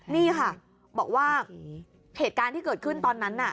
นี่ค่ะบอกว่าเหตุการณ์ที่เกิดขึ้นตอนนั้นน่ะ